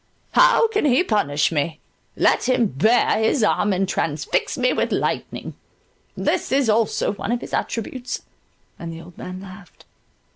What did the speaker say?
How can he punish me? Let him bare his arm and transfix me with lightning—this is also one of his attributes"—and the old man laughed.